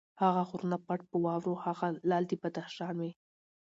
هغه غرونه پټ په واورو، هغه لعل د بدخشان مي